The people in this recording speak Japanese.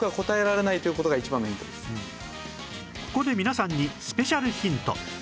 ここで皆さんにスペシャルヒント